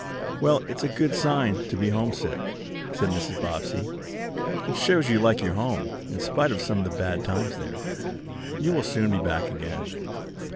"Well, it's a good sign to be homesick," said Mrs. Bobbsey. "It shows you like your home, in spite of some bad times there. You will soon be back again."